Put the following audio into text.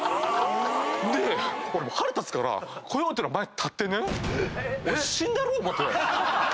俺もう腹立つからコヨーテの前立ってね俺死んだろう思って。